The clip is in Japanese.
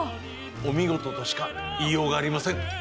お見事としか言いようがありません。